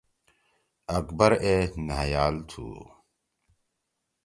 اکبر اے نھأیال تُھو۔